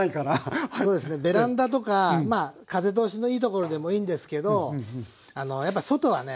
ベランダとかまあ風通しのいいところでもいいんですけどあのやっぱ外はね